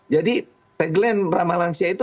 jadi tagline ramah lansia itu